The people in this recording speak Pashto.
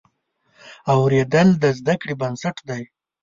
اورېدل د زده کړې بنسټ دی.